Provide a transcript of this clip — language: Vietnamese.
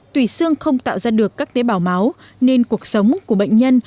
tùy xương không tạo ra được các tế bào máu nên cuộc sống của bệnh nhân